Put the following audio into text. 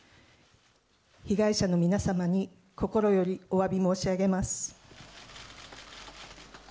被害者の皆様に、心よりおわび申し上げます。